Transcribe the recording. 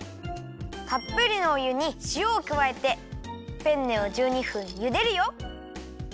たっぷりのお湯にしおをくわえてペンネを１２分ゆでるよ。